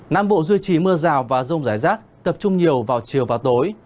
nam bộ duy trì mưa rào và rông rải rác tập trung nhiều vào chiều và tối